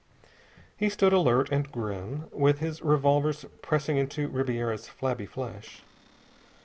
He stood alert and grim, with his revolvers pressing into Ribiera's flabby flesh.